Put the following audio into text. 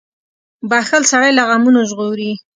• بښل سړی له غمونو ژغوري.